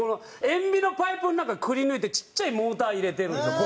塩ビのパイプの中くりぬいてちっちゃいモーター入れてるんですよ